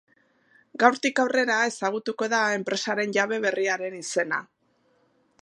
Gaurtik aurrera ezagutuko da enpresaren jabe berriaren izena.